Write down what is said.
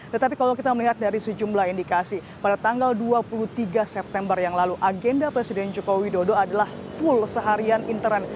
tetapi kalau kita melihat dari sejumlah indikasi pada tanggal dua puluh tiga september yang lalu agenda presiden joko widodo adalah full seharian intern